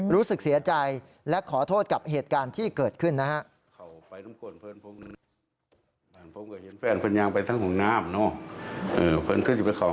รู้สึกเสียใจและขอโทษกับเหตุการณ์ที่เกิดขึ้นนะฮะ